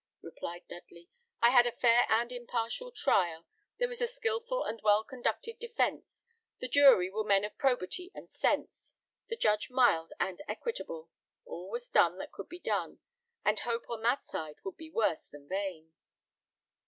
replied Dudley. "I had a fair and impartial trial; there was a skilful and well conducted defence; the jury were men of probity and sense; the judge mild and equitable. All was done that could be done, and hope on that side would be worse than vain."